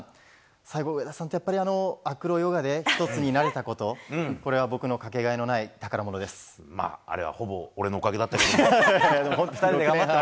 最後、上田さんとアクロヨガで１つになれたことこれは僕のかけがえのないあれはほぼ俺のおかげだけどな。